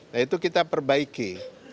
nah itu kita perbaiki